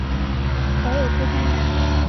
辖有龟山岛。